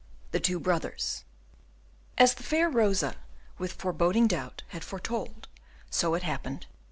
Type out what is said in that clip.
The Two Brothers As the fair Rosa, with foreboding doubt, had foretold, so it happened.